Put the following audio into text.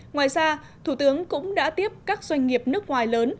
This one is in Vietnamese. ngoài ra thủ tướng cũng đã tiếp các doanh nghiệp nước ngoài lớn